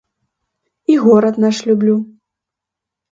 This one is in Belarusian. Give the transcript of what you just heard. І горад наш люблю.